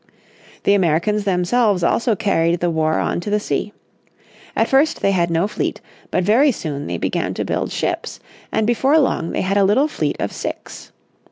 The Americans themselves also carried the war on to the sea. At first they had no fleet, but very soon they began to build ships and before long they had a little fleet of six.